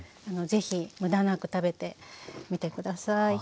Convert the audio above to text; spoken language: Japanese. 是非無駄なく食べてみて下さい。